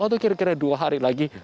atau kira kira dua hari lagi